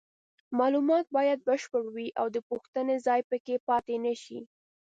معلومات باید بشپړ وي او د پوښتنې ځای پکې پاتې نشي.